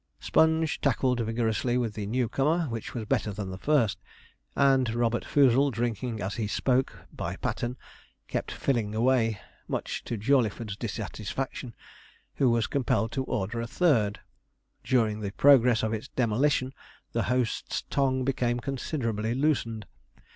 Sponge tackled vigorously with the new comer, which was better than the first; and Robert Foozle, drinking as he spoke, by pattern, kept filling away, much to Jawleyford's dissatisfaction, who was compelled to order a third. During the progress of its demolition, the host's tongue became considerably loosened.